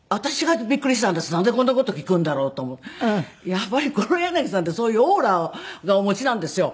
やっぱり黒柳さんってそういうオーラがお持ちなんですよ。